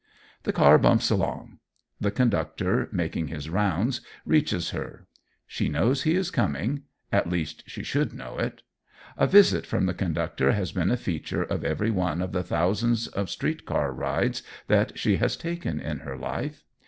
The car bumps along. The conductor, making his rounds, reaches her. She knows he is coming; at least she should know it. A visit from the conductor has been a feature of every one of the thousands of street car rides that she has taken in her life.